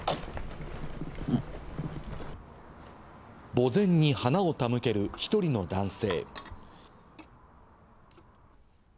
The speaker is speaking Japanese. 墓前に花を手向ける１人の男性。